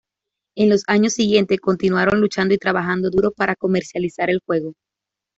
En los años siguientes, continuaron luchando y trabajando duro para comercializar el juego.